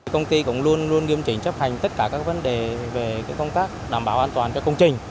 công ty cũng luôn luôn nghiêm chỉnh chấp hành tất cả các vấn đề về công tác đảm bảo an toàn cho công trình